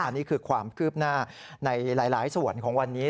นี่คือความคืบหน้าในหลายส่วนของวันนี้